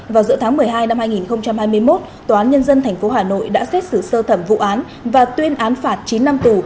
vào giữa tháng một mươi hai năm hai nghìn hai mươi một tòa án nhân dân tp hà nội đã xét xử sơ thẩm vụ án và tuyên án phạt chín năm tù